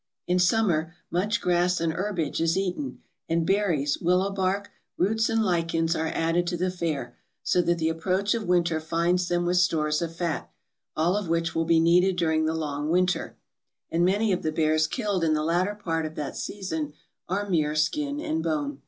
In summer much grass and herbage is eaten, and berries, willow bark, roots and lichens, are added to the fare, so that the approach of winter finds them with stores of fat, all of which will be needed during the long winter; and many of the bears killed in the latter part of that season are mere skin and bone.